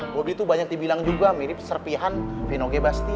bobi tuh banyak dibilang juga mirip serpihan vinogre bastian